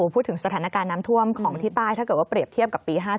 พูดถึงสถานการณ์น้ำท่วมของที่ใต้ถ้าเกิดว่าเปรียบเทียบกับปี๕๗